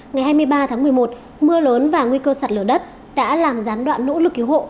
ngày hai mươi ba tháng một mươi một mưa lớn và nguy cơ sạt lở đất đã làm gián đoạn nỗ lực cứu hộ